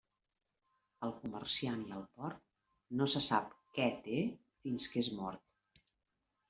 El comerciant i el porc, no se sap què té fins que és mort.